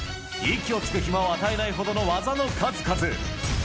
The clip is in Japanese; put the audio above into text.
息をつく暇を与えないほどの技の数々。